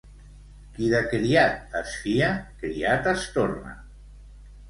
Qui de criat es fia, criat es torna.